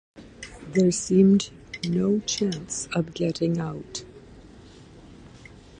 There seemed no chance of getting out.